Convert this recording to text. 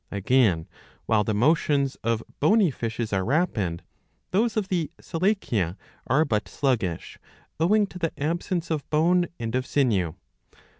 Again, while the motions of bony fishes are rapid, those of the Selachia are but sluggish, owing to the absence of bone and of sinew.